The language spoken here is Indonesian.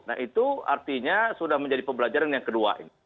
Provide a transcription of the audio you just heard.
nah itu artinya sudah menjadi pebelajaran yang kedua